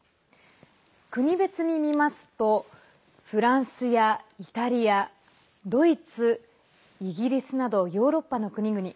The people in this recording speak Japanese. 国別に見ますとフランスやイタリア、ドイツイギリスなど、ヨーロッパの国々。